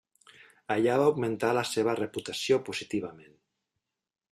Allà va augmentar la seva reputació positivament.